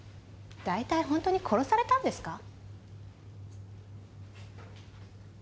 大体本当に殺されたんですか？